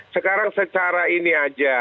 sekarang secara ini aja